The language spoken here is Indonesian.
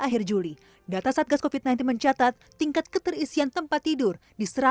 akhir juli data satgas covid sembilan belas mencatat tingkat keterimbunan covid sembilan belas di jakarta dan jepang